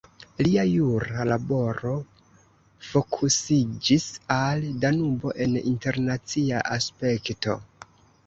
Lia jura laboro fokusiĝis al Danubo en internacia aspekto.